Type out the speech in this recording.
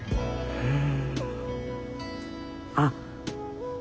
うん。